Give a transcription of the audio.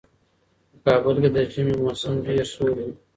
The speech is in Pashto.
په کابل کې د ژمي موسم ډېر سوړ وي.